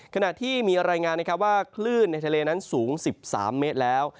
ขณะที่มีรายงานนะครับว่าคลื่นในทะเลนั้นสูง๑๓เมตรแล้ว